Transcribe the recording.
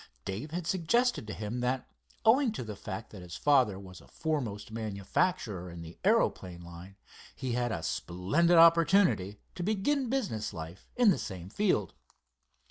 Dave had suggested to him that, owing to the fact that his father was a foremost manufacturer in the aeroplane line, he had a splendid opportunity to begin business life in the same field.